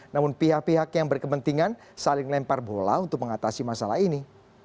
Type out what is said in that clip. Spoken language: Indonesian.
namun pihak pihak yang berkepentingan saling lempar bola untuk mengatasi masalah ini